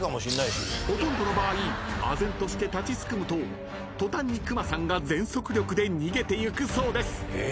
［ほとんどの場合あぜんとして立ちすくむと途端にクマさんが全速力で逃げていくそうです］